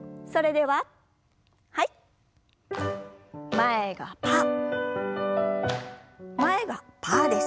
前がパーです。